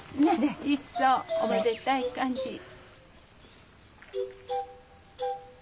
一層おめでたい感じ。